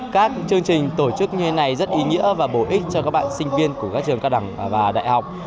các chương trình tổ chức như thế này rất ý nghĩa và bổ ích cho các bạn sinh viên của các trường cao đẳng và đại học